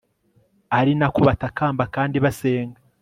ari na ko batakamba kandi basenga